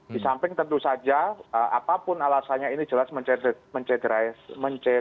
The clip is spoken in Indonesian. di samping tentu saja apapun alasannya ini jelas mencederai mengusik nasionalisme kita